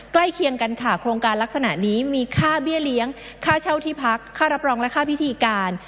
เคียงกันค่ะโครงการลักษณะนี้มีค่าเบี้ยเลี้ยงค่าเช่าที่พักค่ารับรองและค่าพิธีการ